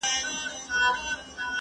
زه بايد وخت تېرووم.